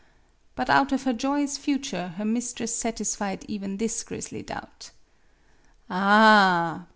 But out of her joyous future her mistress satisfied even this grisly doubt. " Ah h h!